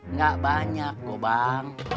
nggak banyak kok bang